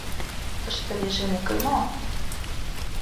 — Тыште режим уке мо?